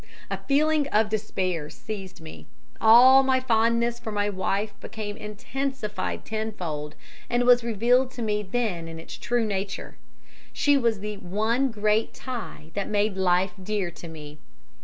A feeling of despair seized me; all my fondness for my wife became intensified tenfold, and was revealed to me then in its true nature; she was the one great tie that made life dear to me.